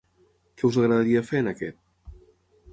Què us agradaria fer en aquest??